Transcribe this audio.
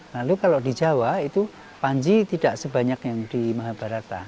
lalu kalau di jawa itu panji tidak sebanyak yang di mahabharata